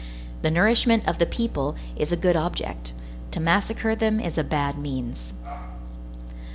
The nourishment of the people is a good object; to massacre them is a bad means.